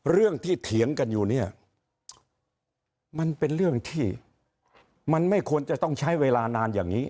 เรื่องที่เถียงกันอยู่เนี่ยมันเป็นเรื่องที่มันไม่ควรจะต้องใช้เวลานานอย่างนี้